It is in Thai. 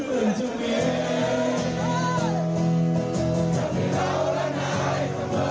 เพื่อนทุกนิ่งกับให้เราและนายต่ำไว้